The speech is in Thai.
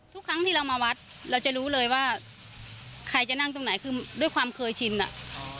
ทุกครั้งที่เรามาวัดเราจะรู้เลยว่าใครจะนั่งตรงไหนคือด้วยความเคยชินอ่ะ